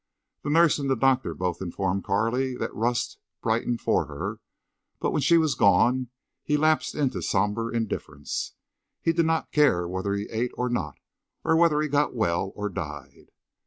The nurse and doctor both informed Carley that Rust brightened for her, but when she was gone he lapsed into somber indifference. He did not care whether he ate or not, or whether he got well or died.